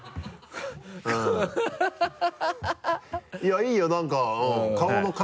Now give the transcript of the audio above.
いやいいよ何かうん。